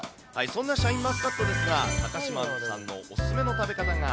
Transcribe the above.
そんなシャインマスカットですが、高島さんのお勧めの食べ方が。